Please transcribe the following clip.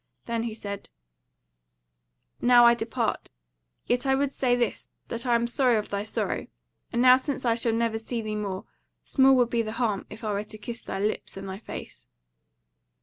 Then he said: "Now I depart. Yet I would say this, that I am sorry of thy sorrow: and now since I shall never see thee more, small would be the harm if I were to kiss thy lips and thy face."